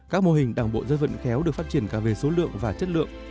các mô hình đảng bộ dân vận khéo được phát triển cả về số lượng và chất lượng